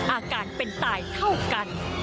อาการเป็นตายเท่ากัน